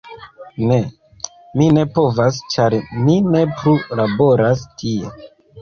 Ne. Mi ne povas ĉar mi ne plu laboras tie.